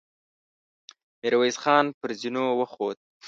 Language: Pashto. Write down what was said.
ميرويس خان پر زينو وخوت.